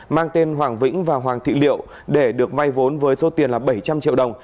mang tên hoàng vĩnh và hoàng thị liệu để được vay vốn với số tiền là bảy trăm linh triệu đồng